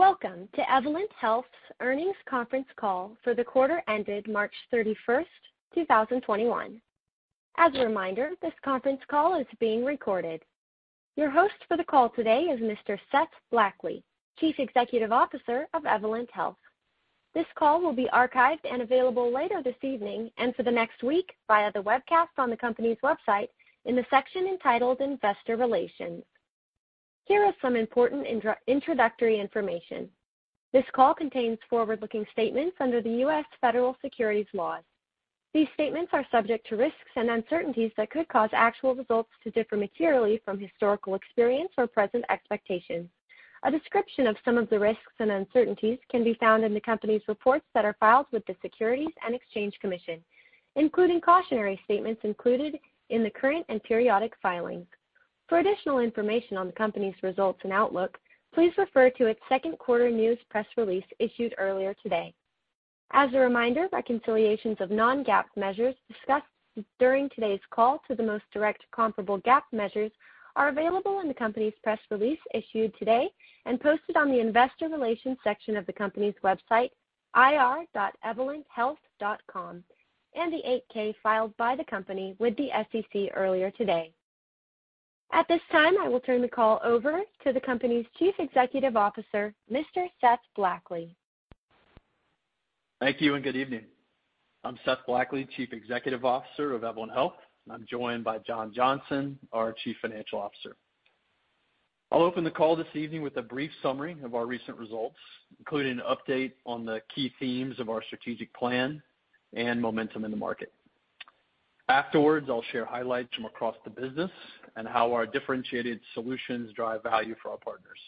Welcome to Evolent Health's earnings conference call for the quarter ended March 31st, 2021. As a reminder, this conference call is being recorded. Your host for the call today is Mr. Seth Blackley, Chief Executive Officer of Evolent Health. This call will be archived and available later this evening and for the next week via the webcast on the company's website in the section entitled Investor Relations. Here are some important introductory information. This call contains forward-looking statements under the U.S. Federal Securities Laws. These statements are subject to risks and uncertainties that could cause actual results to differ materially from historical experience or present expectations. A description of some of the risks and uncertainties can be found in the company's reports that are filed with the Securities and Exchange Commission, including cautionary statements included in the current and periodic filings. For additional information on the company's results and outlook, please refer to its second quarter news press release issued earlier today. As a reminder, reconciliations of non-GAAP measures discussed during today's call to the most direct comparable GAAP measures are available in the company's press release issued today, and posted on the investor relations section of the company's website, ir.evolenthealth.com, and the 8-K filed by the company with the SEC earlier today. At this time, I will turn the call over to the company's Chief Executive Officer, Mr. Seth Blackley. Thank you and good evening. I'm Seth Blackley, Chief Executive Officer of Evolent Health, and I'm joined by John Johnson, our Chief Financial Officer. I'll open the call this evening with a brief summary of our recent results, including an update on the key themes of our strategic plan and momentum in the market. Afterwards, I'll share highlights from across the business and how our differentiated solutions drive value for our partners.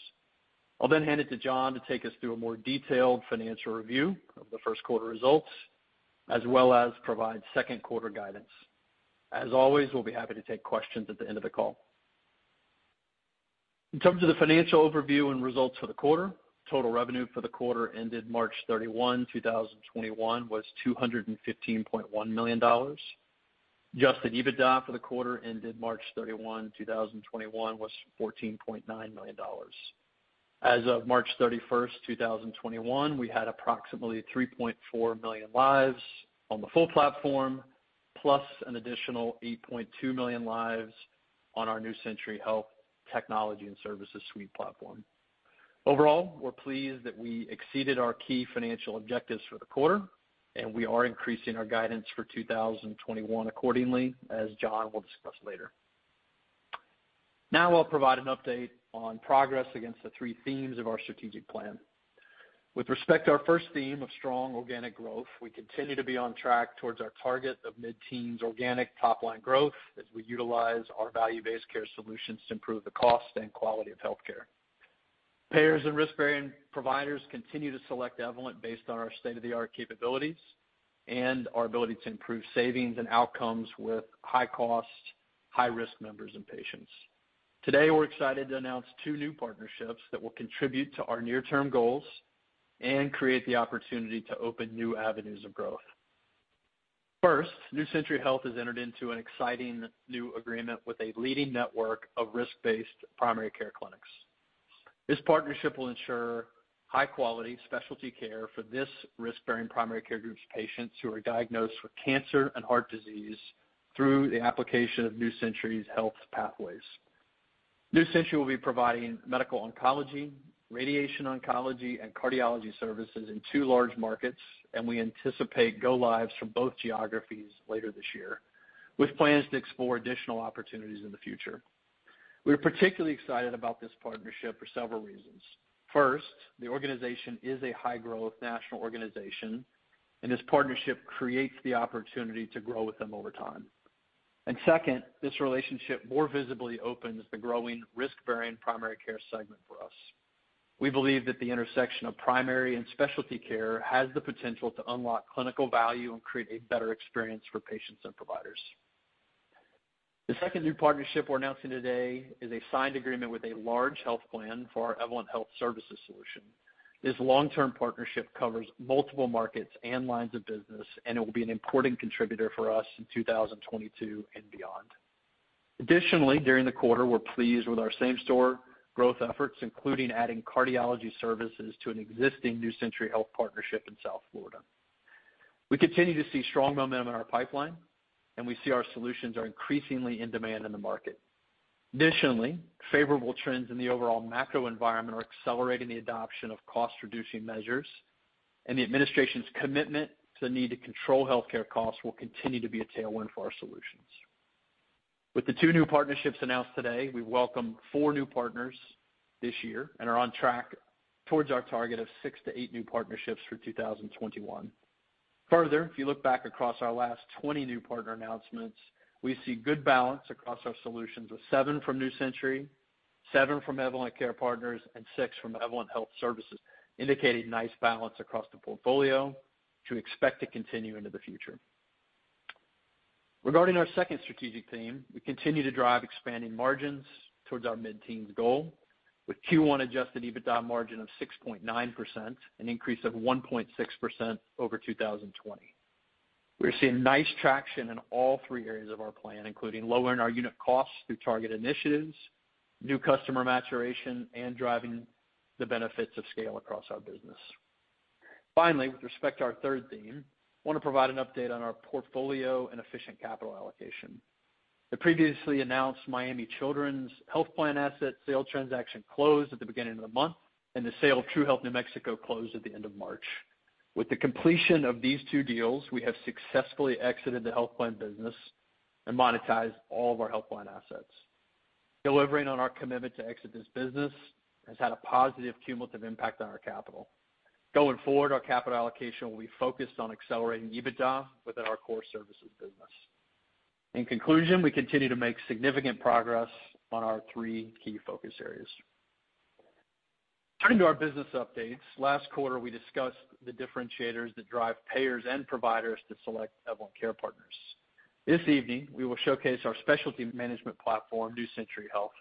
I'll then hand it to John to take us through a more detailed financial review of the first quarter results, as well as provide second quarter guidance. As always, we'll be happy to take questions at the end of the call. In terms of the financial overview and results for the quarter, total revenue for the quarter ended March 31, 2021 was $215.1 million. Adjusted EBITDA for the quarter ended March 31, 2021 was $14.9 million. As of March 31st, 2021, we had approximately 3.4 million lives on the full platform, plus an additional 8.2 million lives on our New Century Health Technology & Services Suite platform. Overall, we're pleased that we exceeded our key financial objectives for the quarter, and we are increasing our guidance for 2021 accordingly, as John will discuss later. Now I'll provide an update on progress against the three themes of our strategic plan. With respect to our first theme of strong organic growth, we continue to be on track towards our target of mid-teens organic top-line growth as we utilize our value-based care solutions to improve the cost and quality of healthcare. Payers and risk-bearing providers continue to select Evolent based on our state-of-the-art capabilities and our ability to improve savings and outcomes with high-cost, high-risk members and patients. Today, we're excited to announce two new partnerships that will contribute to our near-term goals and create the opportunity to open new avenues of growth. 1st, New Century Health has entered into an exciting new agreement with a leading network of risk-based primary care clinics. This partnership will ensure high-quality specialty care for this risk-bearing primary care group's patients who are diagnosed with cancer and heart disease through the application of New Century's Health Pathways. New Century will be providing medical oncology, radiation oncology, and cardiology services in two large markets, and we anticipate go lives from both geographies later this year, with plans to explore additional opportunities in the future. We're particularly excited about this partnership for several reasons. 1st, the organization is a high-growth national organization, and this partnership creates the opportunity to grow with them over time. 2nd, this relationship more visibly opens the growing risk-bearing primary care segment for us. We believe that the intersection of primary and specialty care has the potential to unlock clinical value and create a better experience for patients and providers. The second new partnership we're announcing today is a signed agreement with a large health plan for our Evolent Health Services solution. This long-term partnership covers multiple markets and lines of business, and it will be an important contributor for us in 2022 and beyond. During the quarter, we're pleased with our same-store growth efforts, including adding cardiology services to an existing New Century Health partnership in South Florida. We continue to see strong momentum in our pipeline, and we see our solutions are increasingly in demand in the market. Additionally, favorable trends in the overall macro environment are accelerating the adoption of cost-reducing measures, and the administration's commitment to the need to control healthcare costs will continue to be a tailwind for our solutions. With the two new partnerships announced today, we welcome four new partners this year and are on track towards our target of six to eight new partnerships for 2021. Further, if you look back across our last 20 new partner announcements, we see good balance across our solutions with seven from New Century, seven from Evolent Care Partners, and six from Evolent Health Services, indicating nice balance across the portfolio, which we expect to continue into the future. Regarding our second strategic theme, we continue to drive expanding margins towards our mid-teens goal with Q1 Adjusted EBITDA margin of 6.9%, an increase of 1.6% over 2020. We are seeing nice traction in all three areas of our plan, including lowering our unit costs through target initiatives, new customer maturation, and driving the benefits of scale across our business. Finally, with respect to our third theme, I want to provide an update on our portfolio and efficient capital allocation. The previously announced Miami Children's Health Plan asset sale transaction closed at the beginning of the month, and the sale of True Health New Mexico closed at the end of March. With the completion of these two deals, we have successfully exited the health plan business and monetized all of our health plan assets. Delivering on our commitment to exit this business has had a positive cumulative impact on our capital. Going forward, our capital allocation will be focused on accelerating EBITDA within our core services business. In conclusion, we continue to make significant progress on our three key focus areas. Turning to our business updates. Last quarter, we discussed the differentiators that drive payers and providers to select Evolent Care Partners. This evening, we will showcase our specialty management platform, New Century Health.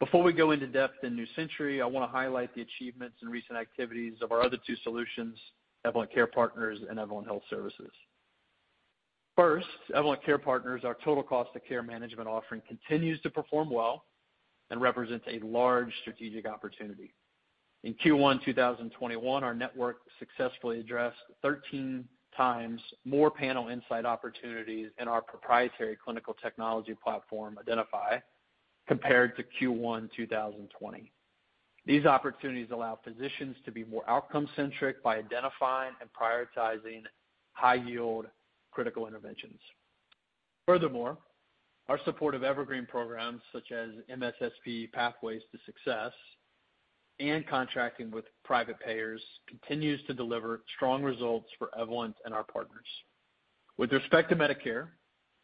Before we go into depth in New Century, I want to highlight the achievements and recent activities of our other two solutions, Evolent Care Partners and Evolent Health Services. 1st, Evolent Care Partners, our total cost of care management offering, continues to perform well and represents a large strategic opportunity. In Q1 2021, our network successfully addressed 13x more panel insight opportunities in our proprietary clinical technology platform, Identifi, compared to Q1 2020. These opportunities allow physicians to be more outcome-centric by identifying and prioritizing high-yield critical interventions. Furthermore, our support of Evergreen programs such as MSSP Pathways to Success and contracting with private payers continues to deliver strong results for Evolent and our partners. With respect to Medicare,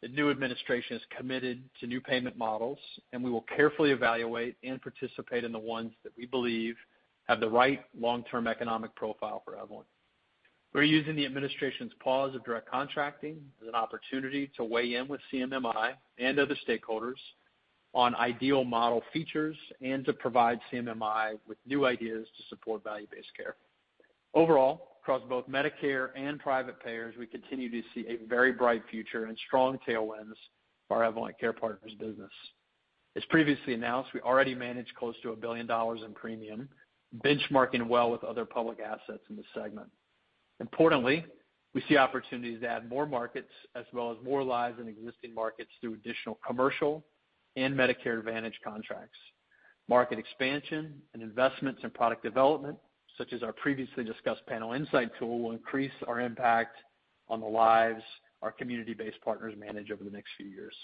the new administration is committed to new payment models, and we will carefully evaluate and participate in the ones that we believe have the right long-term economic profile for Evolent. We're using the administration's pause of Direct Contracting as an opportunity to weigh in with CMMI and other stakeholders on ideal model features and to provide CMMI with new ideas to support value-based care. Overall, across both Medicare and private payers, we continue to see a very bright future and strong tailwinds for our Evolent Care Partners business. As previously announced, we already manage close to $1 billion in premium, benchmarking well with other public assets in the segment. Importantly, we see opportunities to add more markets as well as more lives in existing markets through additional commercial and Medicare Advantage contracts. Market expansion and investments in product development, such as our previously discussed panel insight tool, will increase our impact on the lives our community-based partners manage over the next few years.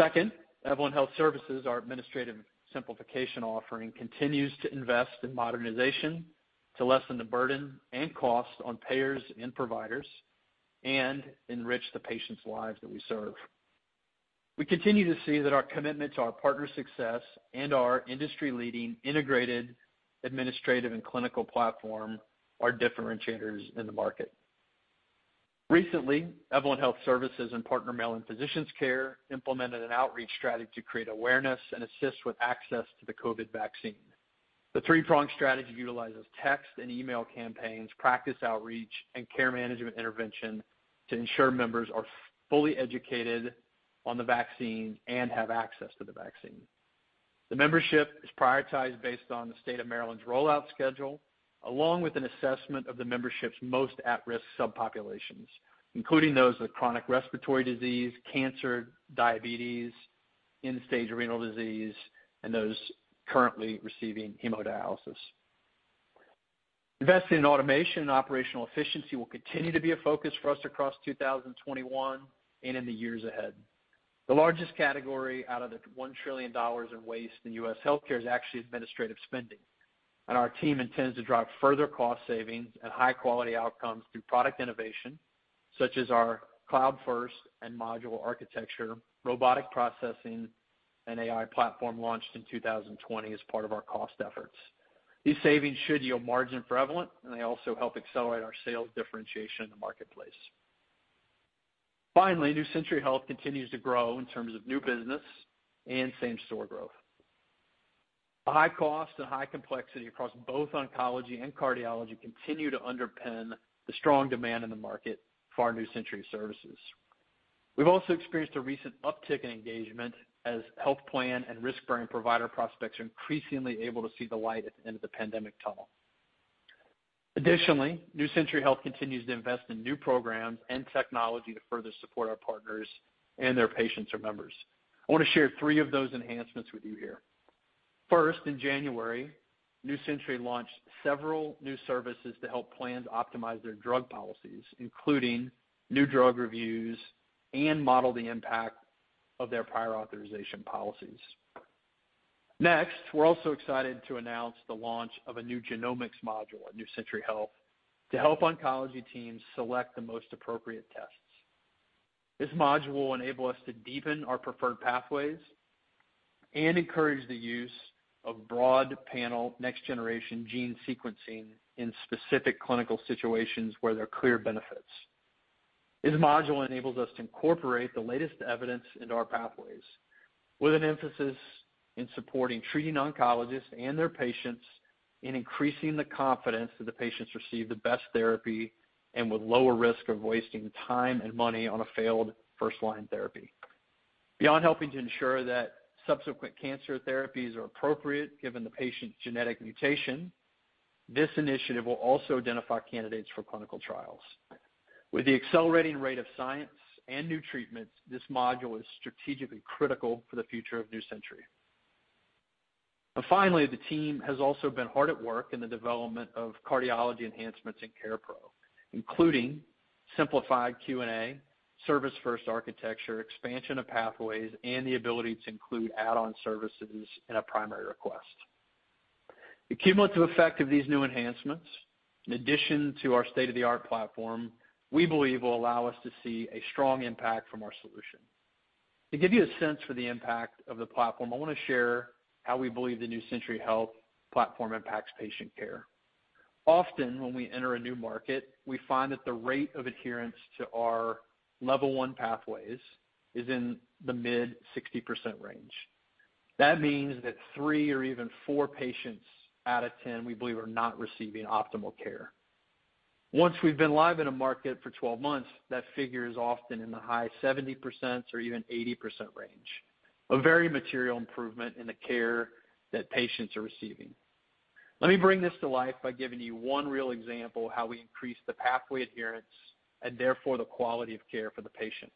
2nd, Evolent Health Services, our administrative simplification offering, continues to invest in modernization to lessen the burden and cost on payers and providers and enrich the patients' lives that we serve. We continue to see that our commitment to our partners' success and our industry-leading integrated administrative and clinical platform are differentiators in the market. Recently, Evolent Health Services and partner Maryland Physicians Care implemented an outreach strategy to create awareness and assist with access to the COVID vaccine. The three-pronged strategy utilizes text and email campaigns, practice outreach, and care management intervention to ensure members are fully educated on the vaccine and have access to the vaccine. The membership is prioritized based on the state of Maryland's rollout schedule, along with an assessment of the membership's most at-risk subpopulations, including those with chronic respiratory disease, cancer, diabetes, end-stage renal disease, and those currently receiving hemodialysis. Investing in automation and operational efficiency will continue to be a focus for us across 2021 and in the years ahead. The largest category out of the $1 trillion in waste in U.S. healthcare is actually administrative spending, and our team intends to drive further cost savings and high-quality outcomes through product innovation, such as our cloud-first and modular architecture, robotic processing, and AI platform launched in 2020 as part of our cost efforts. These savings should yield margin for Evolent, and they also help accelerate our sales differentiation in the marketplace. Finally, New Century Health continues to grow in terms of new business and same-store growth. The high cost and high complexity across both oncology and cardiology continue to underpin the strong demand in the market for our New Century services. We've also experienced a recent uptick in engagement as health plan and risk-bearing provider prospects are increasingly able to see the light at the end of the pandemic tunnel. New Century Health continues to invest in new programs and technology to further support our partners and their patients or members. I want to share three of those enhancements with you here. 1st, in January, New Century launched several new services to help plans optimize their drug policies, including new drug reviews and model the impact of their prior authorization policies. We're also excited to announce the launch of a new genomics module at New Century Health to help oncology teams select the most appropriate tests. This module will enable us to deepen our preferred pathways and encourage the use of broad panel next-generation gene sequencing in specific clinical situations where there are clear benefits. This module enables us to incorporate the latest evidence into our pathways with an emphasis in supporting treating oncologists and their patients in increasing the confidence that the patients receive the best therapy and with lower risk of wasting time and money on a failed first-line therapy. Beyond helping to ensure that subsequent cancer therapies are appropriate, given the patient's genetic mutation, this initiative will also identify candidates for clinical trials. With the accelerating rate of science and new treatments, this module is strategically critical for the future of New Century. Finally, the team has also been hard at work in the development of cardiology enhancements in CarePro, including simplified Q&A, service-first architecture, expansion of pathways, and the ability to include add-on services in a primary request. The cumulative effect of these new enhancements, in addition to our state-of-the-art platform, we believe, will allow us to see a strong impact from our solution. To give you a sense for the impact of the platform, I want to share how we believe the New Century Health platform impacts patient care. Often, when we enter a new market, we find that the rate of adherence to our level 1 pathways is in the mid 60% range. That means that three or even four patients out of 10, we believe, are not receiving optimal care. Once we've been live in a market for 12 months, that figure is often in the high 70% or even 80% range. A very material improvement in the care that patients are receiving. Let me bring this to life by giving you one real example how we increase the pathway adherence and therefore the quality of care for the patient.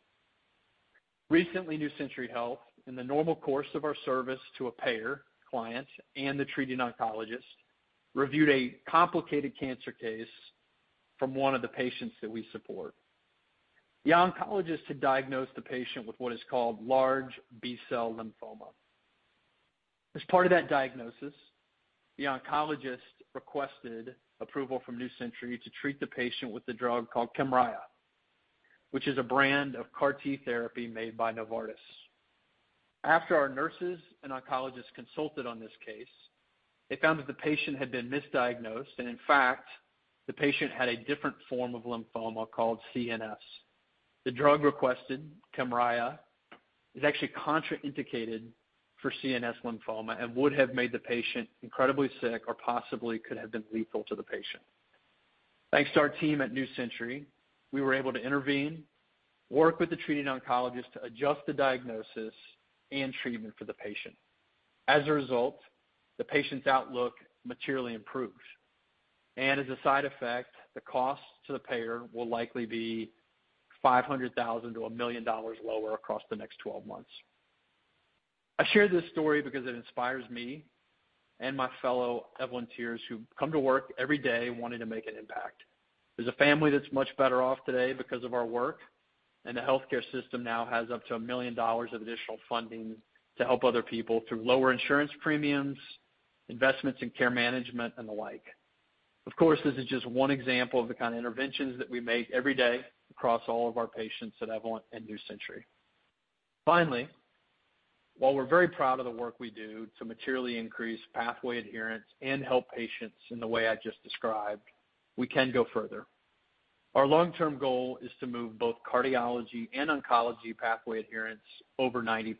Recently, New Century Health, in the normal course of our service to a payer client and the treating oncologist, reviewed a complicated cancer case from one of the patients that we support. The oncologist had diagnosed the patient with what is called large B-cell lymphoma. As part of that diagnosis, the oncologist requested approval from New Century to treat the patient with a drug called KYMRIAH, which is a brand of CAR T therapy made by Novartis. After our nurses and oncologists consulted on this case, they found that the patient had been misdiagnosed, and in fact, the patient had a different form of lymphoma called CNS. The drug requested, KYMRIAH, is actually contraindicated for CNS lymphoma and would have made the patient incredibly sick or possibly could have been lethal to the patient. Thanks to our team at New Century, we were able to intervene, work with the treating oncologist to adjust the diagnosis and treatment for the patient. As a result, the patient's outlook materially improved. As a side effect, the cost to the payer will likely be $500,000-$1 million lower across the next 12 months. I share this story because it inspires me and my fellow Evolenteers who come to work every day wanting to make an impact. There's a family that's much better off today because of our work, and the healthcare system now has up to $1 million of additional funding to help other people through lower insurance premiums, investments in care management, and the like. This is just one example of the kind of interventions that we make every day across all of our patients at Evolent Health and New Century Health. Finally, while we're very proud of the work we do to materially increase pathway adherence and help patients in the way I just described, we can go further. Our long-term goal is to move both cardiology and oncology pathway adherence over 90%.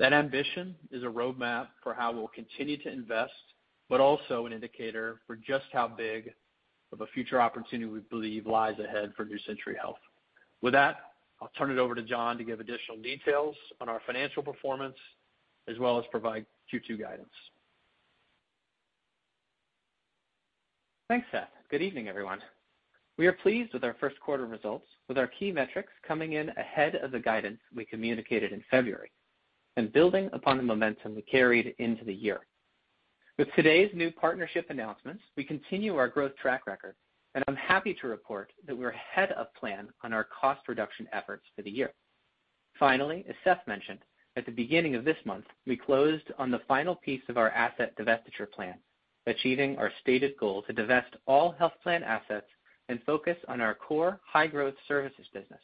That ambition is a roadmap for how we'll continue to invest, but also an indicator for just how big of a future opportunity we believe lies ahead for New Century Health. With that, I'll turn it over to John to give additional details on our financial performance, as well as provide Q2 guidance. Thanks, Seth. Good evening, everyone. We are pleased with our first quarter results with our key metrics coming in ahead of the guidance we communicated in February and building upon the momentum we carried into the year. With today's new partnership announcements, we continue our growth track record, and I'm happy to report that we're ahead of plan on our cost reduction efforts for the year. Finally, as Seth mentioned, at the beginning of this month, we closed on the final piece of our asset divestiture plan, achieving our stated goal to divest all health plan assets and focus on our core high-growth services business.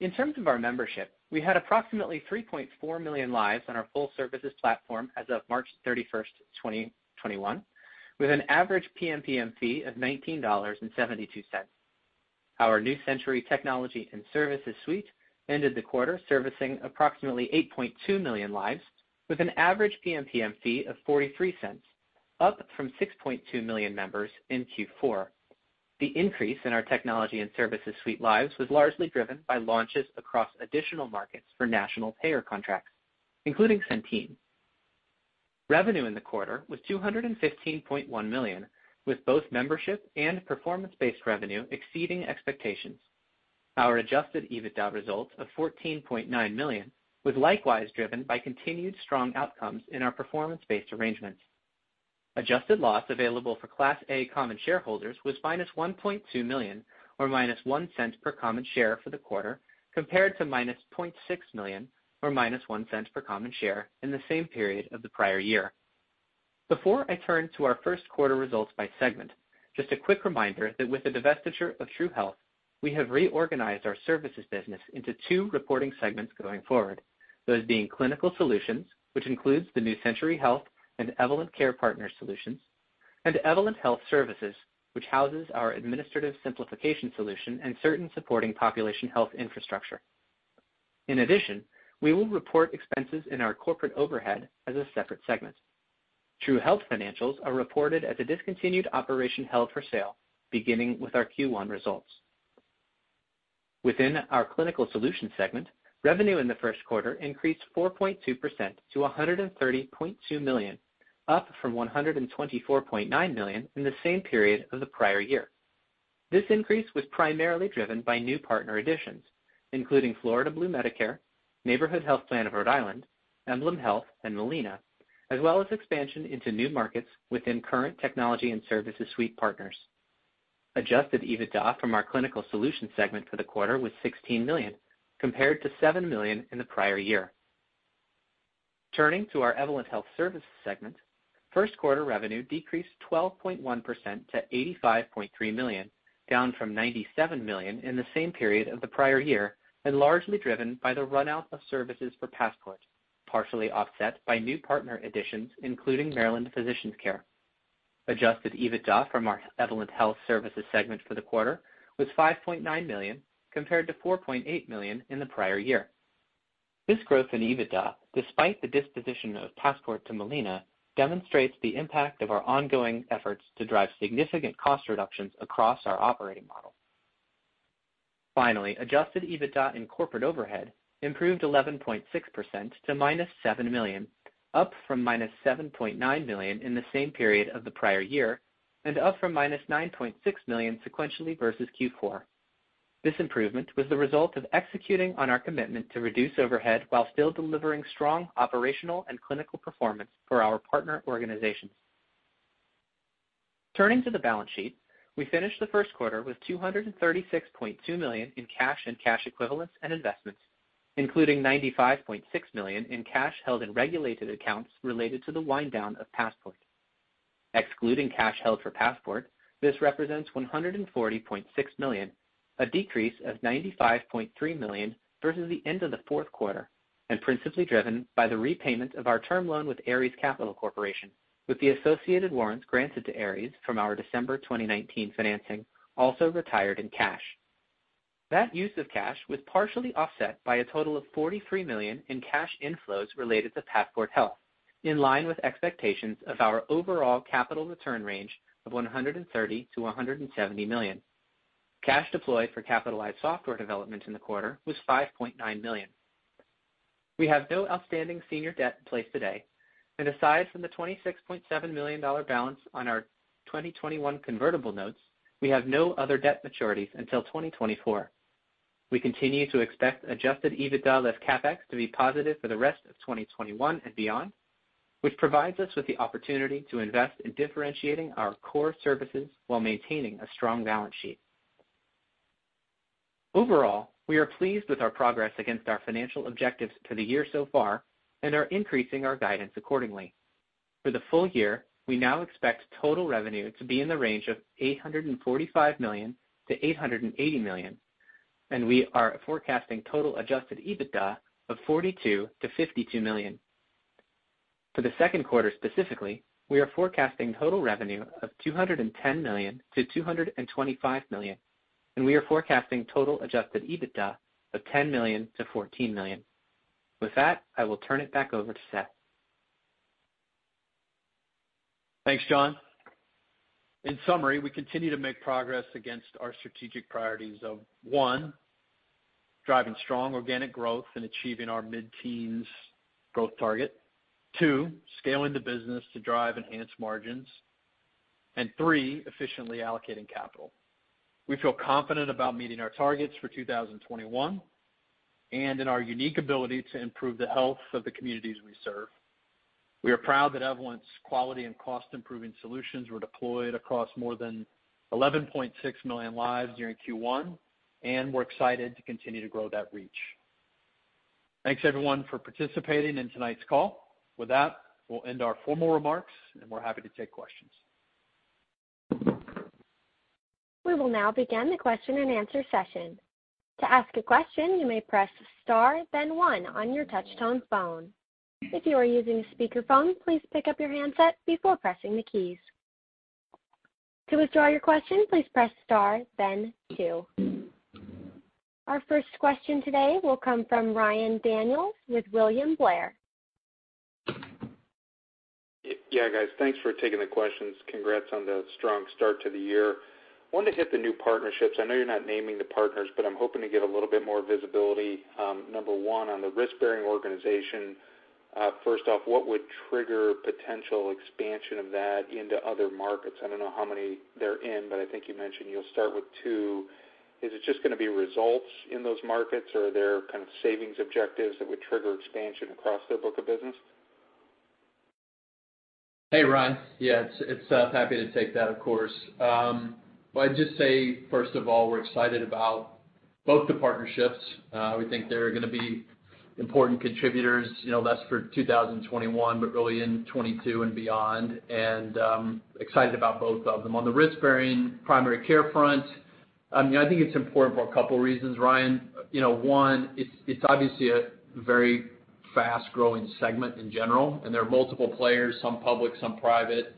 In terms of our membership, we had approximately 3.4 million lives on our full services platform as of March 31st, 2021, with an average PMPM fee of $19.72. Our New Century Health Technology & Services Suite ended the quarter servicing approximately 8.2 million lives with an average PMPM fee of $0.43, up from 6.2 million members in Q4. The increase in our technology and services suite lives was largely driven by launches across additional markets for national payer contracts, including Centene. Revenue in the quarter was $215.1 million, with both membership and performance-based revenue exceeding expectations. Our Adjusted EBITDA results of $14.9 million was likewise driven by continued strong outcomes in our performance-based arrangements. Adjusted loss available for Class A common shareholders was -$1.2 million or -$0.01 per common share for the quarter, compared to -$0.6 million or -$0.01 per common share in the same period of the prior year. Before I turn to our first quarter results by segment, just a quick reminder that with the divestiture of True Health, we have reorganized our services business into two reporting segments going forward. Those being Clinical Solutions, which includes the New Century Health and Evolent Care Partner Solutions, and Evolent Health Services, which houses our administrative simplification solution and certain supporting population health infrastructure. In addition, we will report expenses in our corporate overhead as a separate segment. True Health financials are reported as a discontinued operation held for sale beginning with our Q1 results. Within our Clinical Solutions segment, revenue in the first quarter increased 4.2% to $130.2 million, up from $124.9 million in the same period of the prior year. This increase was primarily driven by new partner additions, including Florida Blue Medicare, Neighborhood Health Plan of Rhode Island, EmblemHealth, and Molina, as well as expansion into new markets within current technology and services suite partners. Adjusted EBITDA from our clinical solutions segment for the quarter was $16 million, compared to $7 million in the prior year. Turning to our Evolent Health Services segment, first quarter revenue -12.1% to $85.3 million, down from $97 million in the same period of the prior year. Largely driven by the run-out of services for Passport, partially offset by new partner additions, including Maryland Physicians Care. Adjusted EBITDA from our Evolent Health Services segment for the quarter was $5.9 million, compared to $4.8 million in the prior year. This growth in EBITDA, despite the disposition of Passport to Molina, demonstrates the impact of our ongoing efforts to drive significant cost reductions across our operating model. Adjusted EBITDA in corporate overhead improved 11.6% to -$7 million, up from -$7.9 million in the same period of the prior year, and up from -$9.6 million sequentially versus Q4. This improvement was the result of executing on our commitment to reduce overhead while still delivering strong operational and clinical performance for our partner organizations. Turning to the balance sheet, we finished the first quarter with $236.2 million in cash and cash equivalents and investments, including $95.6 million in cash held in regulated accounts related to the wind-down of Passport. Excluding cash held for Passport Health Plan, this represents $140.6 million, a decrease of $95.3 million versus the end of the fourth quarter, and principally driven by the repayment of our term loan with Ares Capital Corporation, with the associated warrants granted to Ares Capital Corporation from our December 2019 financing also retired in cash. That use of cash was partially offset by a total of $43 million in cash inflows related to Passport Health Plan, in line with expectations of our overall capital return range of $130 million-$170 million. Cash deployed for capitalized software development in the quarter was $5.9 million. We have no outstanding senior debt in place today, and aside from the $26.7 million balance on our 2021 convertible notes, we have no other debt maturities until 2024. We continue to expect Adjusted EBITDA less CapEx to be positive for the rest of 2021 and beyond, which provides us with the opportunity to invest in differentiating our core services while maintaining a strong balance sheet. Overall, we are pleased with our progress against our financial objectives for the year so far and are increasing our guidance accordingly. For the full year, we now expect total revenue to be in the range of $845 million-$880 million. We are forecasting total Adjusted EBITDA of $42 million-$52 million. For the second quarter, specifically, we are forecasting total revenue of $210 million-$225 million. We are forecasting total Adjusted EBITDA of $10 million-$14 million. With that, I will turn it back over to Seth. Thanks, John. In summary, we continue to make progress against our strategic priorities of, one, driving strong organic growth and achieving our mid-teens growth target. Two, scaling the business to drive enhanced margins. Three, efficiently allocating capital. We feel confident about meeting our targets for 2021 and in our unique ability to improve the health of the communities we serve. We are proud that Evolent's quality and cost-improving solutions were deployed across more than 11.6 million lives during Q1, and we're excited to continue to grow that reach. Thanks, everyone, for participating in tonight's call. With that, we'll end our formal remarks, and we're happy to take questions. Our first question today will come from Ryan Daniels with William Blair. Yeah, guys. Thanks for taking the questions. Congrats on the strong start to the year. Wanted to hit the new partnerships. I know you're not naming the partners, but I'm hoping to get a little bit more visibility. Number one, on the risk-bearing organization, first off, what would trigger potential expansion of that into other markets? I don't know how many they're in, but I think you mentioned you'll start with two. Is it just going to be results in those markets, or are there kind of savings objectives that would trigger expansion across their book of business? Hey, Ryan. Yeah, happy to take that, of course. I'd just say, first of all, we're excited about both the partnerships. We think they're going to be important contributors, less for 2021, but really in 2022 and beyond, and excited about both of them. On the risk-bearing primary care front, I think it's important for a couple reasons, Ryan. One. It's obviously a very fast-growing segment in general. There are multiple players, some public, some private,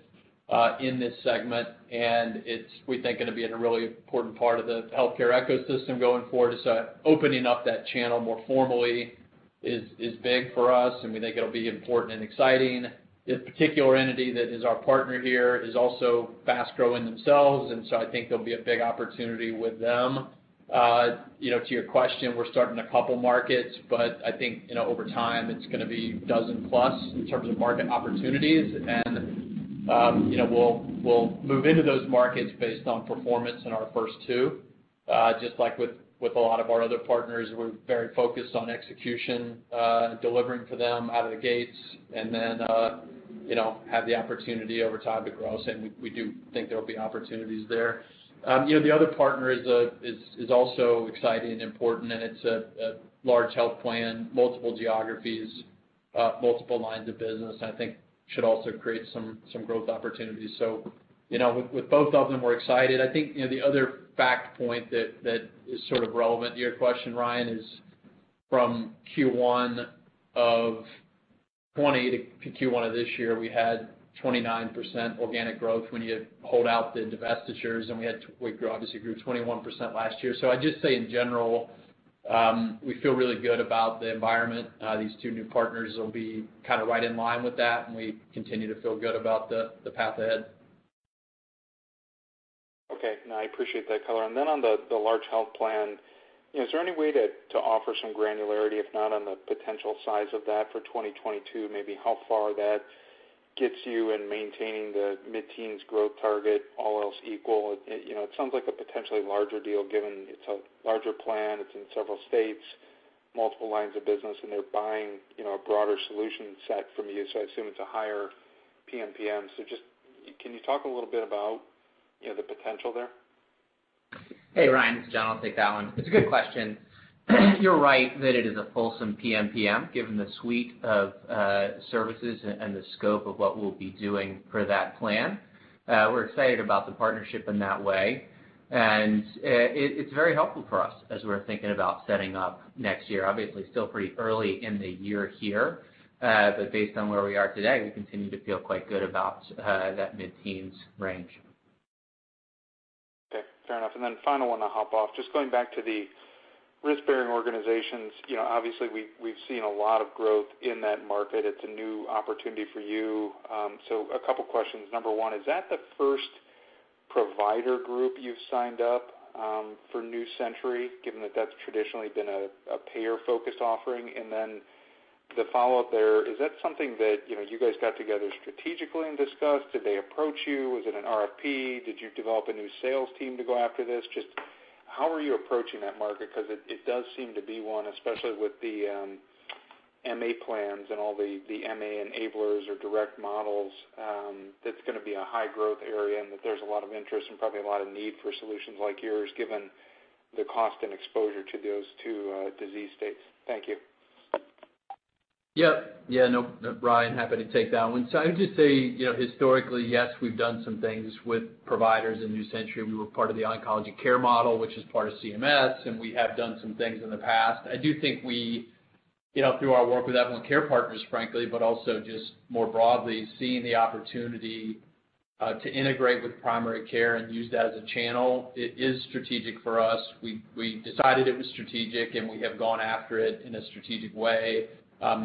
in this segment. It's, we think, going to be a really important part of the healthcare ecosystem going forward. Opening up that channel more formally is big for us, and we think it'll be important and exciting. This particular entity that is our partner here is also fast-growing themselves. I think there'll be a big opportunity with them. To your question, we're starting a couple markets, but I think, over time, it's going to be a dozen-plus, in terms of market opportunities. We'll move into those markets based on performance in our first two. Just like with a lot of our other partners, we're very focused on execution, delivering for them out of the gates, and then have the opportunity over time to grow. We do think there will be opportunities there. The other partner is also exciting and important, and it's a large health plan, multiple geographies, multiple lines of business, and I think should also create some growth opportunities. With both of them, we're excited. I think, the other fact point that is sort of relevant to your question, Ryan, is from Q1 of 2020 to Q1 of this year, we had 29% organic growth when you hold out the divestitures. We obviously grew 21% last year. I'd just say, in general, we feel really good about the environment. These two new partners will be kind of right in line with that, and we continue to feel good about the path ahead. Okay. No, I appreciate that color. On the large health plan, is there any way to offer some granularity, if not on the potential size of that for 2022, maybe how far that gets you in maintaining the mid-teens growth target, all else equal? It sounds like a potentially larger deal given it's a larger plan, it's in several states, multiple lines of business, and they're buying a broader solution set from you. I assume it's a higher PMPM. Just, can you talk a little bit about the potential there? Hey, Ryan. It's John. I'll take that one. It's a good question. You're right that it is a fulsome PMPM, given the suite of services, and the scope of what we'll be doing for that plan. We're excited about the partnership in that way. It's very helpful for us as we're thinking about setting up next year. Obviously, still pretty early in the year here. Based on where we are today, we continue to feel quite good about that mid-teens range. Okay. Fair enough. Final one, I'll hop off. Just going back to the risk-bearing organizations. Obviously, we've seen a lot of growth in that market. It's a new opportunity for you. A couple questions. Number one, is that the first provider group you've signed up for New Century, given that that's traditionally been a payer-focused offering? The follow-up there, is that something that you guys got together strategically and discussed? Did they approach you? Was it an RFP? Did you develop a new sales team to go after this? Just how are you approaching that market? It does seem to be one, especially with the MA plans and all the MA enablers or direct models, that's going to be a high-growth area, and that there's a lot of interest and probably a lot of need for solutions like yours, given the cost and exposure to those two disease states. Thank you. Yes. Yes, no, Ryan, happy to take that one. I would just say, historically, yes, we've done some things with providers in New Century. We were part of the Oncology Care Model, which is part of CMS, and we have done some things in the past. I do think we, through our work with Evolent Care Partners, frankly, but also just more broadly, seeing the opportunity to integrate with primary care and use that as a channel. It is strategic for us. We decided it was strategic, and we have gone after it in a strategic way.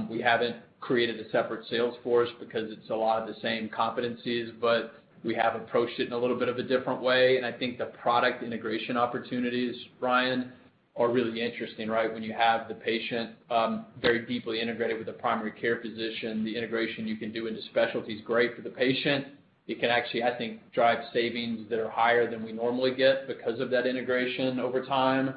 We haven't created a separate sales force because it's a lot of the same competencies, but we have approached it in a little bit of a different way. I think the product integration opportunities, Ryan, are really interesting, right? When you have the patient very deeply integrated with the primary care physician, the integration you can do into specialty is great for the patient. It can actually, I think, drive savings that are higher than we normally get because of that integration over time.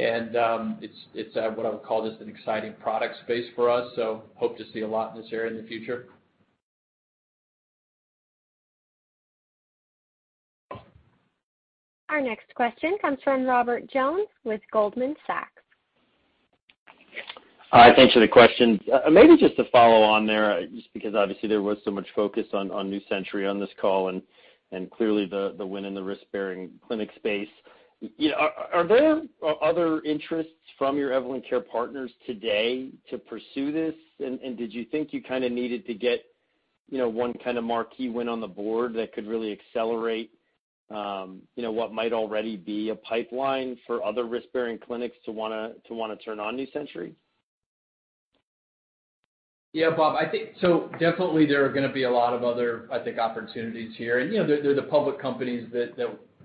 It's what I would call just an exciting product space for us. Hope to see a lot in this area in the future. Our next question comes from Robert Jones with Goldman Sachs. Hi. Thanks for the question. Maybe just to follow on there, just because obviously there was so much focus on New Century on this call, and clearly the win in the risk-bearing clinic space. Are there other interests from your Evolent Care Partners today to pursue this? Did you think you kind of needed to get one kind of marquee win on the board that could really accelerate what might already be a pipeline for other risk-bearing clinics to want to turn on New Century? Bob. Definitely there are going to be a lot of other, I think, opportunities here. There are the public companies that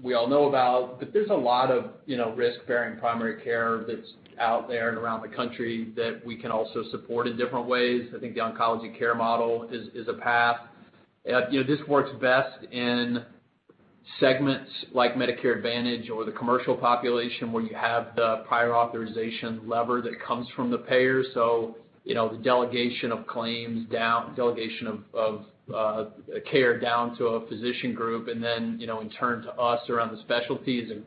we all know about. There's a lot of risk-bearing primary care that's out there and around the country that we can also support in different ways. I think the Oncology Care Model is a path. This works best in segments like Medicare Advantage or the commercial population where you have the prior authorization lever that comes from the payer. The delegation of claims down, delegation of care down to a physician group, and then in turn to us around the specialty is a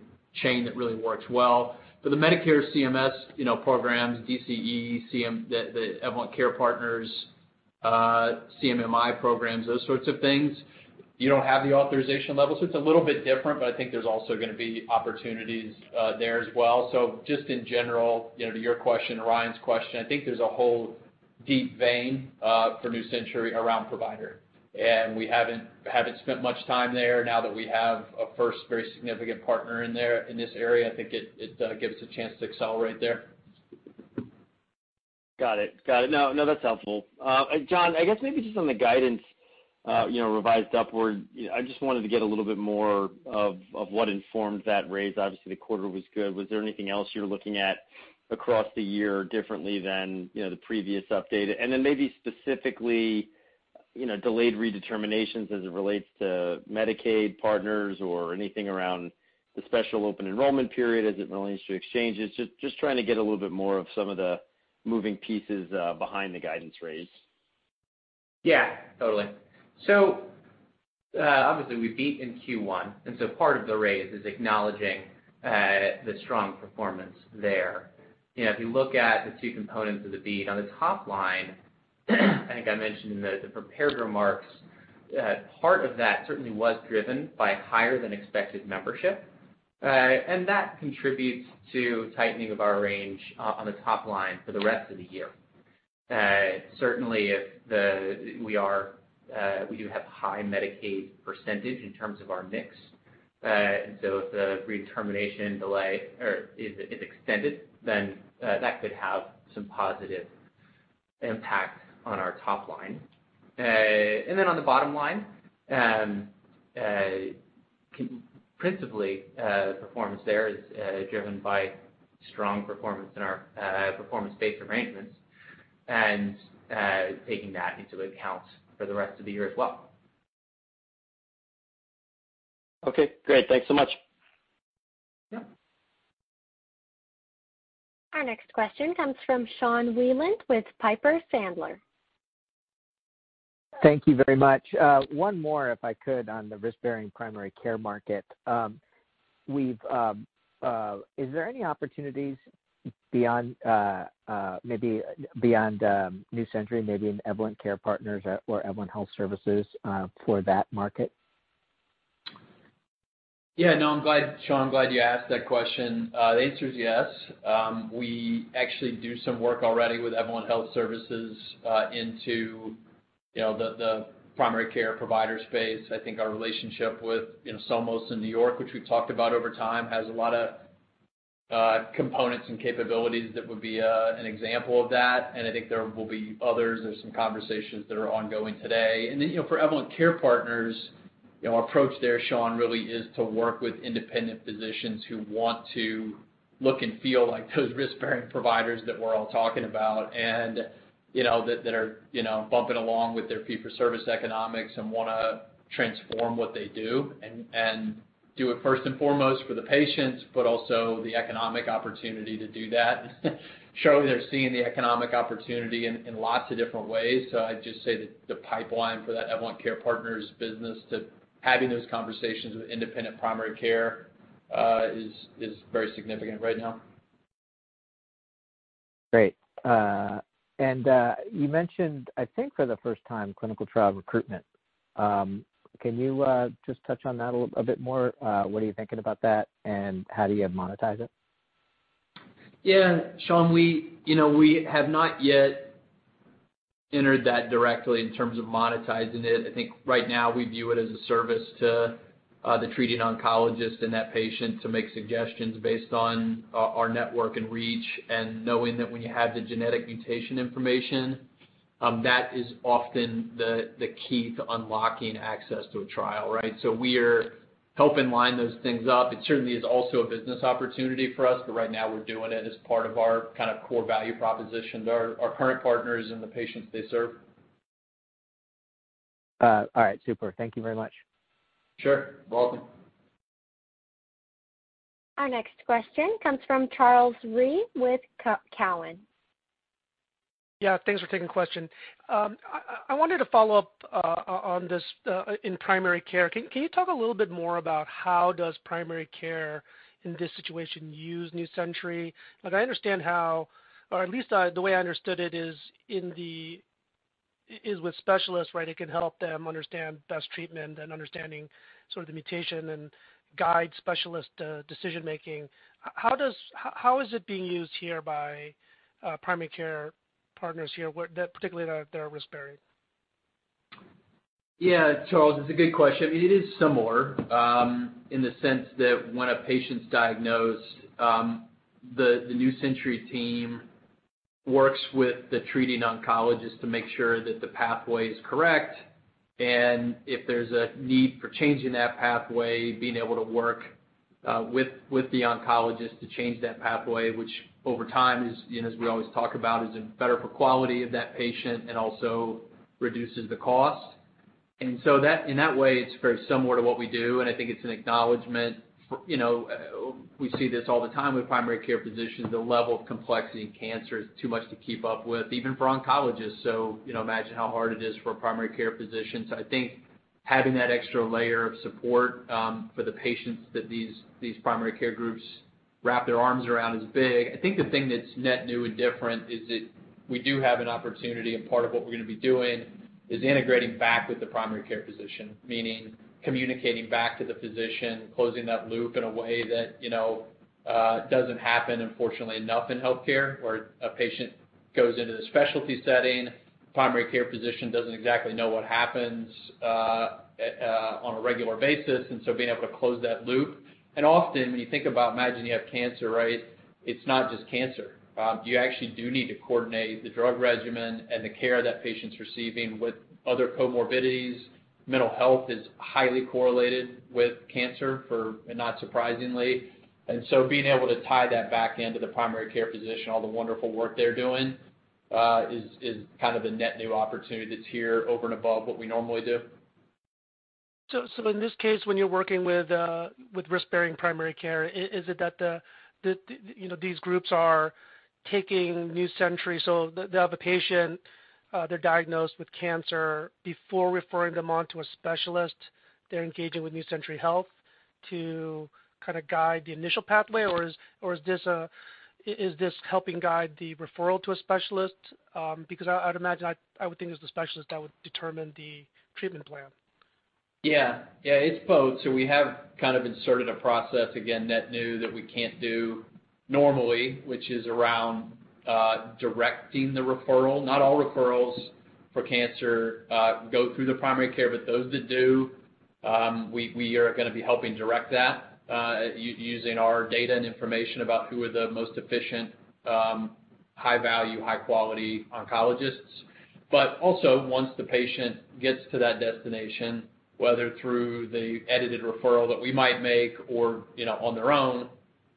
chain that really works well. For the Medicare CMS programs, DCE, the Evolent Care Partners, CMMI programs, those sorts of things. You don't have the authorization level, so it's a little bit different, but I think there's also going to be opportunities there as well. Just in general, to your question and Ryan's question, I think there's a whole deep vein for New Century around provider. We haven't spent much time there. Now that we have a first very significant partner in this area, I think it gives us a chance to accelerate there. Got it. No, that's helpful. John, I guess maybe just on the guidance revised upward, I just wanted to get a little bit more of what informed that raise. Obviously, the quarter was good. Was there anything else you're looking at across the year differently than the previous update? Then maybe specifically, delayed redeterminations as it relates to Medicaid partners or anything around the special open enrollment period as it relates to exchanges. Just trying to get a little bit more of some of the moving pieces behind the guidance raise. Totally. Obviously we beat in Q1, part of the raise is acknowledging the strong performance there. If you look at the two components of the beat, on the top line, I think I mentioned in the prepared remarks, part of that certainly was driven by higher than expected membership. That contributes to tightening of our range on the top line for the rest of the year. Certainly, we do have high Medicaid percentage in terms of our mix. If the redetermination delay is extended, that could have some positive impact on our top line. On the bottom line, principally, performance there is driven by strong performance in our performance-based arrangements and taking that into account for the rest of the year as well. Okay, great. Thanks so much. Yeah. Our next question comes from Sean Wieland with Piper Sandler. Thank you very much. One more, if I could, on the risk-bearing primary care market. Is there any opportunities maybe beyond New Century, maybe in Evolent Care Partners or Evolent Health Services, for that market? Yeah, no, Sean, I'm glad you asked that question. The answer is yes. We actually do some work already with Evolent Health Services, into the primary care provider space. I think our relationship with Somos in New York, which we've talked about over time, has a lot of components and capabilities that would be an example of that. I think there will be others. There are some conversations that are ongoing today. For Evolent Care Partners, our approach there, Sean, really is to work with independent physicians who want to look and feel like those risk-bearing providers that we're all talking about, and that are bumping along with their fee-for-service economics and want to transform what they do and do it first and foremost for the patients, but also the economic opportunity to do that. Sean, they're seeing the economic opportunity in lots of different ways, so I'd just say that the pipeline for that Evolent Care Partners business to having those conversations with independent primary care is very significant right now. Great. You mentioned, I think for the first time, clinical trial recruitment. Can you just touch on that a bit more? What are you thinking about that, and how do you monetize it? Sean, we have not yet entered that directly in terms of monetizing it. I think right now we view it as a service to the treating oncologist and that patient to make suggestions based on our network and reach, and knowing that when you have the genetic mutation information, that is often the key to unlocking access to a trial, right? We are helping line those things up. It certainly is also a business opportunity for us, but right now we're doing it as part of our core value proposition to our current partners and the patients they serve. All right. Super. Thank you very much. Sure. Welcome. Our next question comes from Charles Rhyee with Cowen. Yeah, thanks for taking question. I wanted to follow up on this in primary care. Can you talk a little bit more about how does primary care in this situation use New Century? Like I understand how, or at least the way I understood it is with specialists, right? It can help them understand best treatment and understanding sort of the mutation and guide specialist decision-making. How is it being used here by primary care partners here, particularly that are risk-bearing? Yeah, Charles, it's a good question. I mean, it is similar, in the sense that when a patient's diagnosed, the New Century team works with the treating oncologist to make sure that the pathway is correct. If there's a need for changing that pathway, being able to work with the oncologist to change that pathway, which over time is, as we always talk about, is better for quality of that patient and also reduces the cost. In that way, it's very similar to what we do, and I think it's an acknowledgement. We see this all the time with primary care physicians. The level of complexity in cancer is too much to keep up with, even for oncologists. Imagine how hard it is for primary care physicians. I think having that extra layer of support for the patients that these primary care groups wrap their arms around is big. I think the thing that's net new and different is that we do have an opportunity, and part of what we're going to be doing is integrating back with the primary care physician. Meaning communicating back to the physician, closing that loop in a way that doesn't happen, unfortunately, enough in healthcare, where a patient goes into the specialty setting, primary care physician doesn't exactly know what happens on a regular basis. Being able to close that loop. Often, when you think about, imagine you have cancer, right, it's not just cancer. You actually do need to coordinate the drug regimen and the care that patient's receiving with other comorbidities. Mental health is highly correlated with cancer, not surprisingly. Being able to tie that back into the primary care physician, all the wonderful work they're doing, is kind of the net new opportunity that's here over and above what we normally do. In this case, when you're working with risk-bearing primary care, is it that these groups are taking New Century Health, so they have a patient, they're diagnosed with cancer. Before referring them on to a specialist, they're engaging with New Century Health to kind of guide the initial pathway? Or is this helping guide the referral to a specialist? Because I would think it's the specialist that would determine the treatment plan. Yeah. It's both. We have kind of inserted a process, again, net new, that we can't do normally, which is around directing the referral. Not all referrals for cancer go through the primary care, but those that do, we are going to be helping direct that using our data and information about who are the most efficient, high value, high quality oncologists. Also, once the patient gets to that destination, whether through the edited referral that we might make or on their own,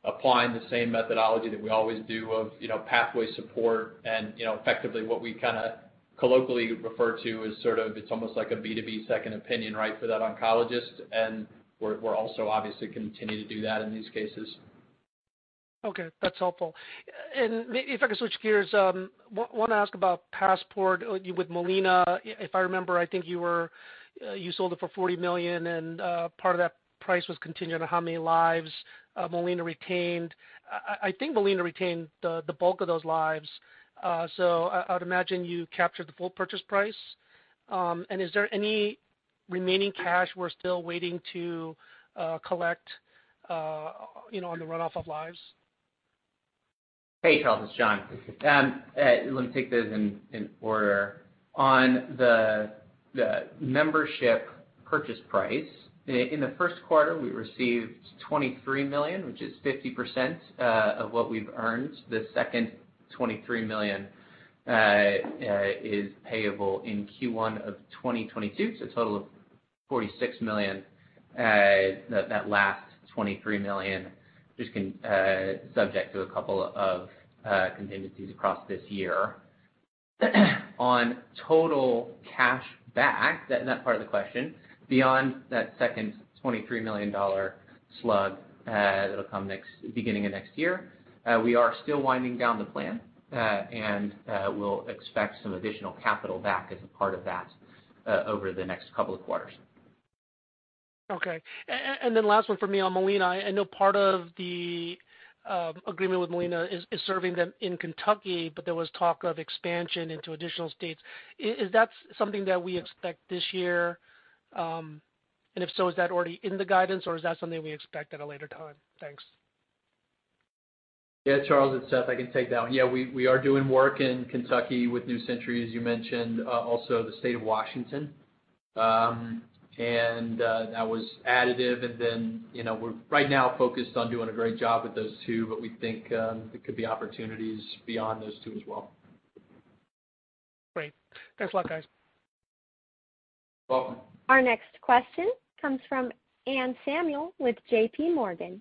applying the same methodology that we always do of pathway support and effectively what we kind of colloquially refer to as sort of, it's almost like a B2B second opinion for that oncologist. We'll also obviously continue to do that in these cases. Okay. That's helpful. If I could switch gears, want to ask about Passport with Molina. If I remember, I think you sold it for $40 million, part of that price was contingent on how many lives Molina retained. I think Molina retained the bulk of those lives. I would imagine you captured the full purchase price. Is there any remaining cash we're still waiting to collect on the runoff of lives? Hey, Charles, it's John. Let me take those in order. On the membership purchase price, in the first quarter, we received $23 million, which is 50% of what we've earned. The second $23 million is payable in Q1 of 2022, a total of $46 million. That last $23 million, just subject to a couple of contingencies across this year. On total cash back, that part of the question, beyond that second $23 million slug that'll come beginning of next year, we are still winding down the plan, and we'll expect some additional capital back as a part of that, over the next couple of quarters. Okay. Last one from me on Molina. I know part of the agreement with Molina is serving them in Kentucky, there was talk of expansion into additional states. Is that something that we expect this year? If so, is that already in the guidance, is that something we expect at a later time? Thanks. Yeah, Charles, it's Seth. I can take that one. Yeah, we are doing work in Kentucky with New Century, as you mentioned, also the state of Washington. That was additive, and then we're right now focused on doing a great job with those two, but we think there could be opportunities beyond those two as well. Great. Thanks a lot, guys. Welcome. Our next question comes from Anne Samuel with JPMorgan.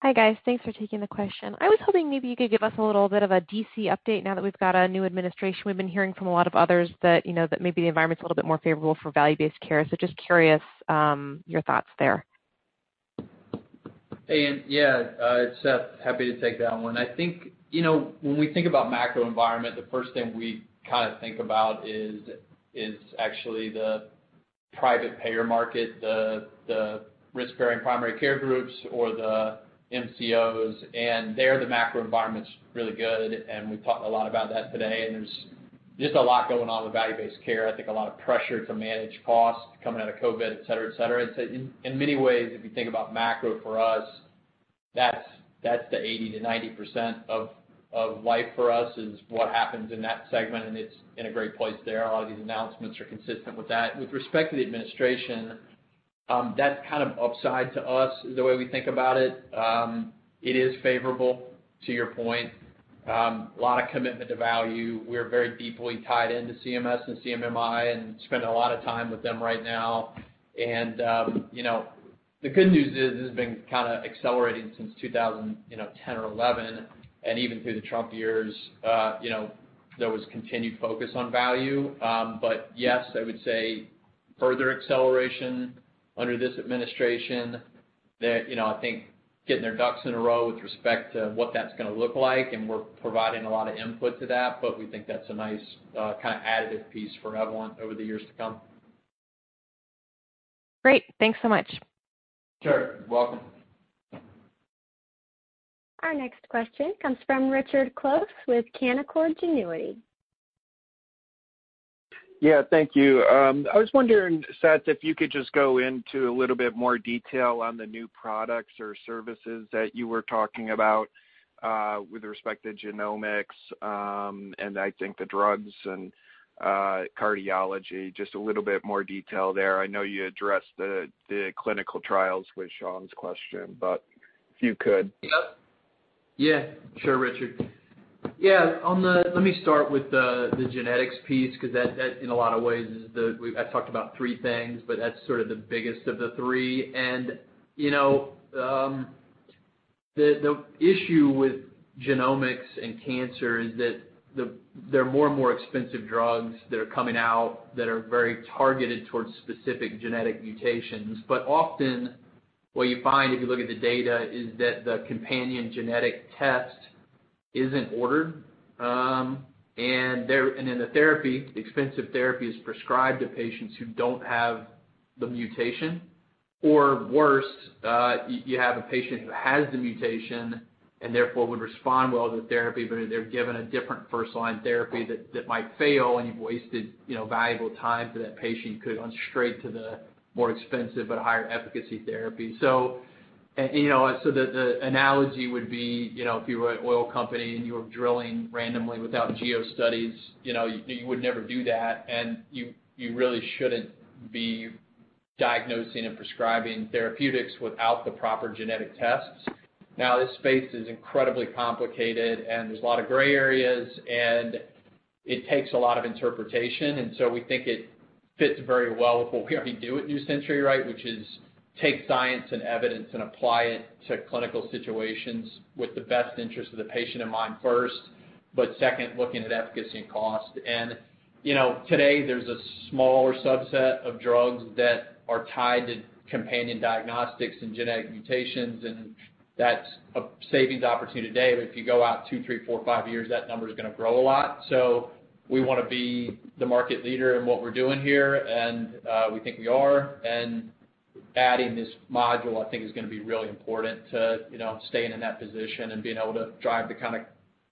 Hi, guys. Thanks for taking the question. I was hoping maybe you could give us a little bit of a D.C. update now that we've got a new administration. We've been hearing from a lot of others that maybe the environment's a little bit more favorable for value-based care. Just curious your thoughts there. Hey, Anne. Yeah. It's Seth. Happy to take that one. I think when we think about macro environment, the first thing we kind of think about is actually the private payer market, the risk-bearing primary care groups or the MCOs. There, the macro environment's really good, and we've talked a lot about that today. There's just a lot going on with value-based care, I think a lot of pressure to manage cost coming out of COVID, et cetera. In many ways, if you think about macro for us, that's the 80%-90% of life for us is what happens in that segment, and it's in a great place there. All these announcements are consistent with that. With respect to the administration, that's kind of upside to us, is the way we think about it. It is favorable, to your point. A lot of commitment to value. We're very deeply tied into CMS and CMMI and spend a lot of time with them right now. The good news is, this has been kind of accelerating since 2010 or 2011, and even through the Trump years, there was continued focus on value. Yes, I would say further acceleration under this administration that I think getting their ducks in a row with respect to what that's going to look like, and we're providing a lot of input to that, but we think that's a nice kind of additive piece for Evolent over the years to come. Great. Thanks so much. Sure. Welcome. Our next question comes from Richard Close with Canaccord Genuity. Yeah, thank you. I was wondering, Seth, if you could just go into a little bit more detail on the new products or services that you were talking about, with respect to genomics, and I think the drugs and cardiology. Just a little bit more detail there. I know you addressed the clinical trials with Sean's question, but if you could. Yep. Yeah. Sure, Richard. Let me start with the genetics piece, because that, in a lot of ways, I talked about three things, but that's sort of the biggest of the three. The issue with genomics and cancer is that there are more and more expensive drugs that are coming out that are very targeted towards specific genetic mutations. Often, what you find if you look at the data is that the companion genetic test isn't ordered. The expensive therapy is prescribed to patients who don't have the mutation. Worse, you have a patient who has the mutation and therefore would respond well to therapy, but they're given a different first-line therapy that might fail, and you've wasted valuable time, that patient could've gone straight to the more expensive but higher efficacy therapy. The analogy would be if you were an oil company and you were drilling randomly without geo studies, you would never do that, and you really shouldn't be diagnosing and prescribing therapeutics without the proper genetic tests. This space is incredibly complicated, and there's a lot of gray areas, and it takes a lot of interpretation. We think it fits very well with what we already do at New Century, which is take science and evidence and apply it to clinical situations with the best interest of the patient in mind first, but second, looking at efficacy and cost. Today there's a smaller subset of drugs that are tied to companion diagnostics and genetic mutations, and that's a savings opportunity today. If you go out two, three, four, five years, that number is going to grow a lot. We want to be the market leader in what we're doing here, and we think we are. Adding this module, I think, is going to be really important to staying in that position and being able to drive the kind of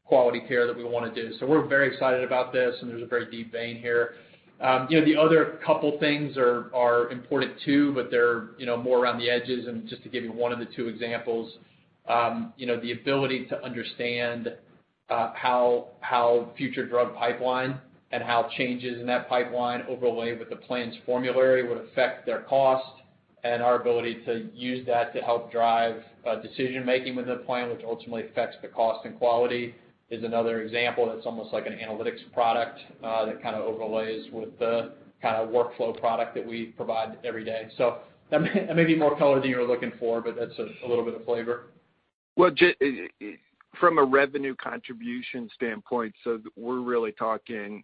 quality care that we want to do. We're very excited about this, and there's a very deep vein here. The other couple things are important, too, but they're more around the edges. Just to give you one of the two examples, the ability to understand how future drug pipeline and how changes in that pipeline overlay with the plan's formulary would affect their cost and our ability to use that to help drive decision-making with the plan, which ultimately affects the cost and quality, is another example that's almost like an analytics product, that kind of overlays with the kind of workflow product that we provide every day. That may be more color than you were looking for, but that's a little bit of flavor. Well, from a revenue contribution standpoint, so we're really talking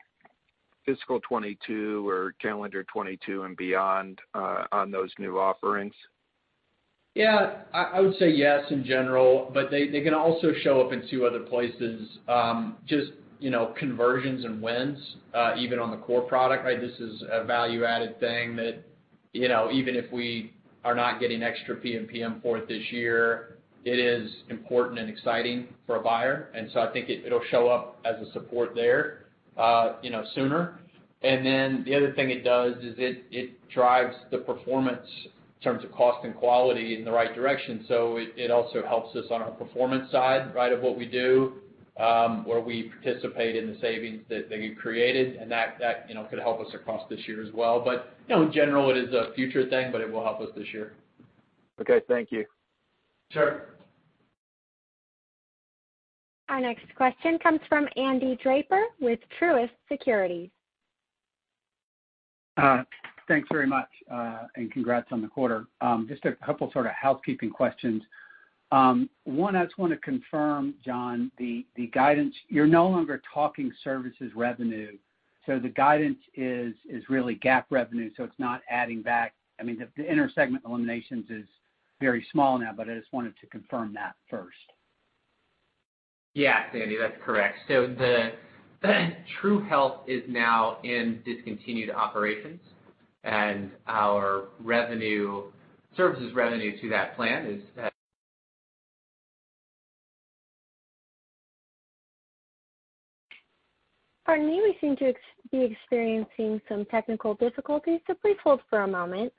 fiscal 2022 or calendar 2022 and beyond, on those new offerings? Yeah. I would say yes in general, but they can also show up in two other places. Just conversions and wins, even on the core product. This is a value-added thing that even if we are not getting extra PMPM for it this year, it is important and exciting for a buyer. I think it'll show up as a support there sooner. The other thing it does is it drives the performance in terms of cost and quality in the right direction. It also helps us on our performance side of what we do, where we participate in the savings that get created, and that could help us across this year as well. In general, it is a future thing, but it will help us this year. Okay. Thank you. Sure. Our next question comes from Andy Draper with Truist Securities. Thanks very much. Congrats on the quarter. Just a couple sort of housekeeping questions. One, I just want to confirm, John, the guidance. You're no longer talking services revenue, so the guidance is really GAAP revenue, so it's not adding back. The intersegment eliminations is very small now, but I just wanted to confirm that first. Yeah, Andy, that's correct. True Health is now in discontinued operations, and our services revenue to that plan is. Pardon me, we seem to be experiencing some technical difficulties, so please hold for a moment.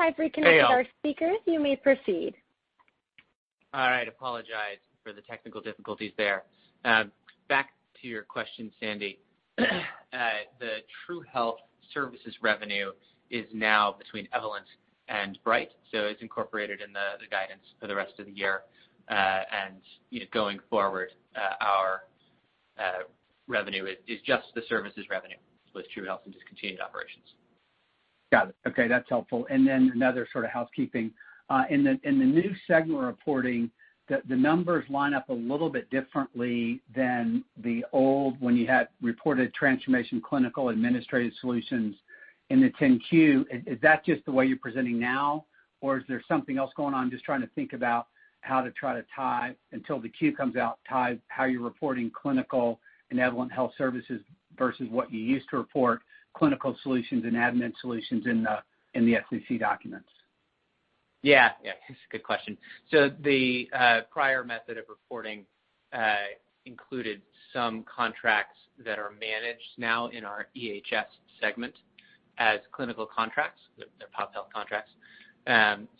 I've reconnected our speakers. You may proceed. All right. Apologize for the technical difficulties there. Back to your question, Andy. The True Health Services revenue is now between Evolent and Bright, it's incorporated in the guidance for the rest of the year. Going forward, our revenue is just the services revenue with True Health and discontinued operations. Got it. Okay. That's helpful. Another sort of housekeeping. In the new segment reporting, the numbers line up a little bit differently than the old, when you had reported transformation clinical administrative solutions in the 10-Q. Is that just the way you're presenting now, or is there something else going on? Just trying to think about how to try to tie, until the Q comes out, tie how you're reporting clinical and Evolent Health Services versus what you used to report clinical solutions and admin solutions in the SEC documents. Yeah. It's a good question. The prior method of reporting included some contracts that are managed now in our EHS segment as clinical contracts. They're Population Health contracts.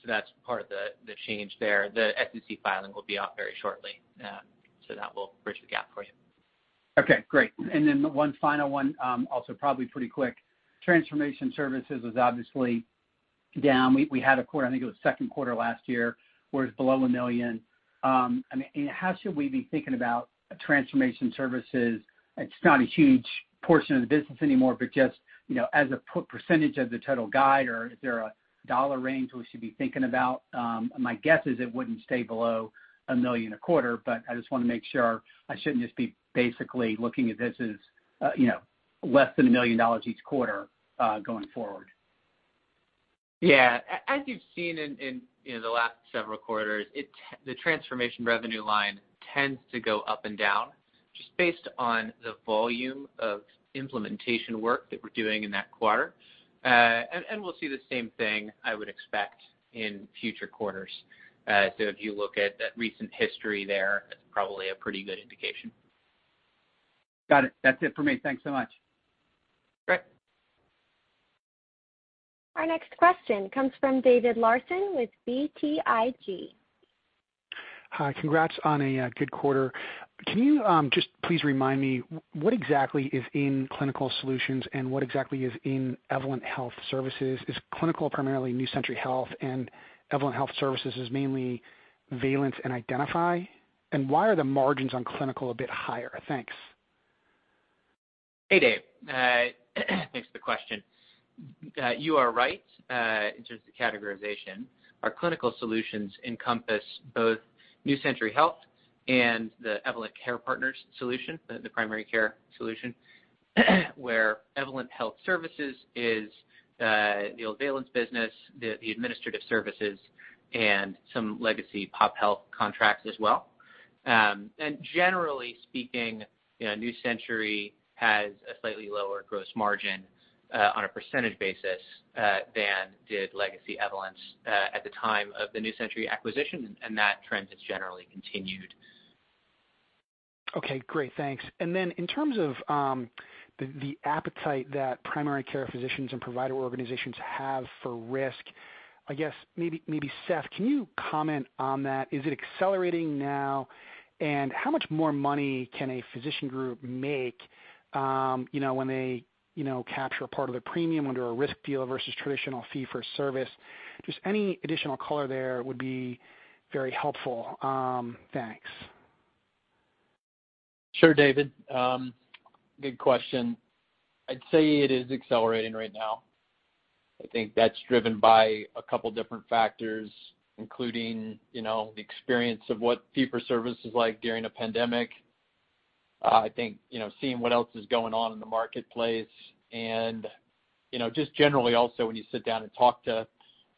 That's part of the change there. The SEC filing will be out very shortly, so that will bridge the gap for you. Okay, great. One final one, also probably pretty quick. Transformation services is obviously down. We had a quarter, I think it was second quarter last year, where it's below $1 million. How should we be thinking about transformation services? It's not a huge portion of the business anymore, just as a percentage of the total guide, is there a dollar range we should be thinking about? My guess is it wouldn't stay below $1 million a quarter, I just want to make sure I shouldn't just be basically looking at this as less than $1 million each quarter, going forward. Yeah. As you've seen in the last several quarters, the transformation revenue line tends to go up and down, just based on the volume of implementation work that we're doing in that quarter. We'll see the same thing, I would expect, in future quarters. If you look at recent history there, that's probably a pretty good indication. Got it. That's it for me. Thanks so much. Great. Our next question comes from David Larsen with BTIG. Hi. Congrats on a good quarter. Can you just please remind me what exactly is in Clinical Solutions and what exactly is in Evolent Health Services? Is Clinical primarily New Century Health and Evolent Health Services is mainly Valence Health and Identifi? Why are the margins on Clinical a bit higher? Thanks. Hey, Dave. Thanks for the question. You are right in terms of categorization. Our Clinical Solutions encompass both New Century Health and the Evolent Care Partners solution, the primary care solution, where Evolent Health Services is the old Valence Health business, the administrative services, and some legacy pop health contracts as well. Generally speaking, New Century has a slightly lower gross margin on a percentage basis than did legacy Evolent at the time of the New Century acquisition, and that trend has generally continued. Okay, great. Thanks. Then in terms of the appetite that primary care physicians and provider organizations have for risk, I guess maybe Seth, can you comment on that? Is it accelerating now? How much more money can a physician group make when they capture a part of their premium under a risk deal versus traditional fee for service? Just any additional color there would be very helpful. Thanks. Sure, David. Good question. I'd say it is accelerating right now. I think that's driven by a couple different factors, including the experience of what fee for service is like during a pandemic. I think seeing what else is going on in the marketplace and just generally also when you sit down and talk to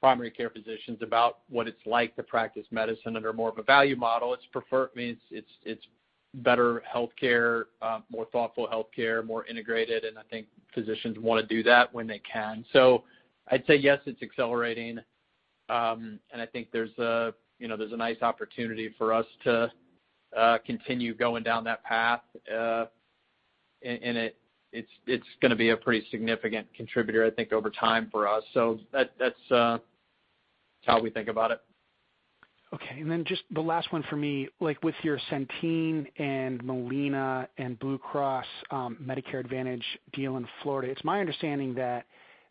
primary care physicians about what it's like to practice medicine under more of a value model, it's preferred, means it's better healthcare, more thoughtful healthcare, more integrated. I think physicians want to do that when they can. I'd say yes, it's accelerating. I think there's a nice opportunity for us to continue going down that path. It's going to be a pretty significant contributor, I think, over time for us. That's how we think about it. Okay, just the last one for me, with your Centene and Molina and Blue Cross Medicare Advantage deal in Florida, it's my understanding that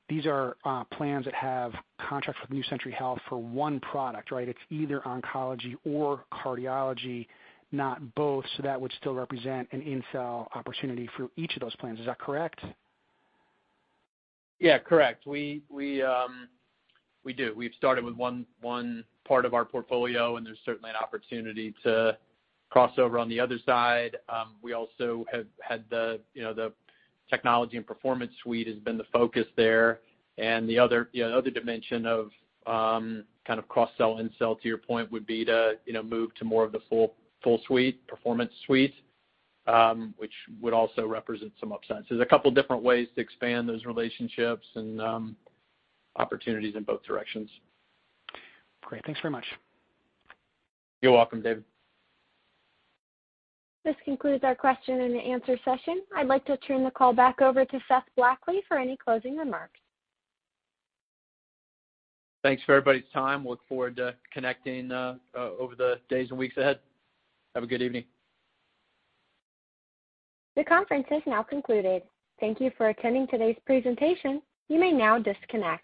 these are plans that have contracts with New Century Health for one product, right? It's either oncology or cardiology, not both, so that would still represent an in-cell opportunity for each of those plans. Is that correct? Yeah, correct. We do. We've started with one part of our portfolio, and there's certainly an opportunity to cross over on the other side. We also have had the technology and Performance Suite has been the focus there, and the other dimension of kind of cross-sell and sell, to your point, would be to move to more of the full suite, Performance Suite, which would also represent some upsides. There's a couple different ways to expand those relationships and opportunities in both directions. Great. Thanks very much. You're welcome, David. This concludes our question and answer session. I'd like to turn the call back over to Seth Blackley for any closing remarks. Thanks for everybody's time. Look forward to connecting over the days and weeks ahead. Have a good evening. The conference is now concluded. Thank you for attending today's presentation. You may now disconnect.